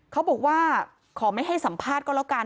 เขาบอกว่าขอไม่ให้สัมภาษณ์ก็แล้วกัน